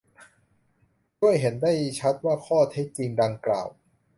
ด้วยเห็นได้ชัดว่าข้อเท็จจริงดังกล่าว